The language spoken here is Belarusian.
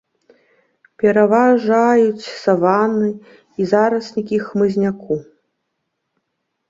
Пераважаюць саванны і зараснікі хмызняку.